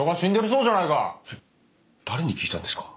それ誰に聞いたんですか？